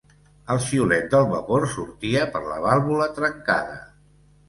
El xiulet del vapor sortia per la vàlvula trencada.